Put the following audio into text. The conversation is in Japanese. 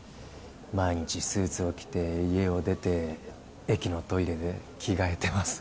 毎日スーツを着て家を出て駅のトイレで着替えてます